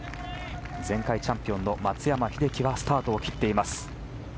前回チャンピオンの松山英樹がスタートを切っています。